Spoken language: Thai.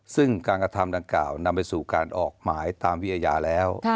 ซึ่งการกระทำดังกล่าวนำไปสู่การออกหมายตามวิทยาแล้ว